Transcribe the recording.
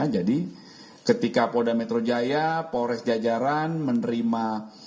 jadi ketika polda metro jaya polres jajaran menerima